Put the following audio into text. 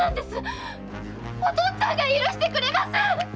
〔お父っつぁんが許してくれません！〕